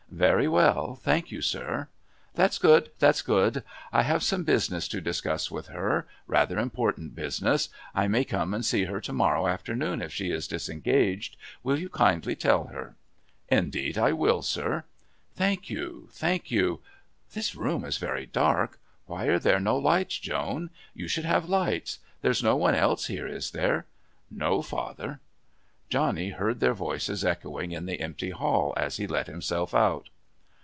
"Very well, thank you, sir." "That's good, that's good. I have some business to discuss with her. Rather important business; I may come and see her to morrow afternoon if she is disengaged; Will you kindly tell her?" "Indeed I will, sir." "Thank you. Thank you. This room is very dark. Why are there no lights? Joan, you should have lights. There's no one else here, is there?" "No, father." Johnny heard their voices echoing in the empty hall as he let himself out.